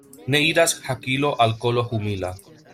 Ne iras hakilo al kolo humila.